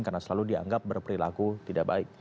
karena selalu dianggap berperilaku tidak baik